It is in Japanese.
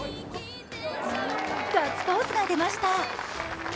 ガッツポーズが出ました。